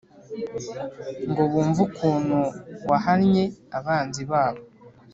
ngo bumve ukuntu wahannye abanzi babo.